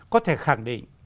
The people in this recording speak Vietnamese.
có thể khẳng định